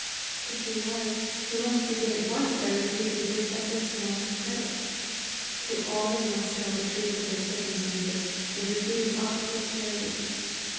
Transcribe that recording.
If he was, he must begin at once by refusing to accept the smallest credit! To all they must tell the truth of their circumstances, and refuse aught but charity.